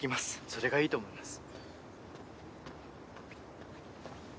それがいいと思います。